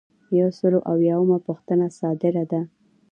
یو سل او اویایمه پوښتنه صادره ده.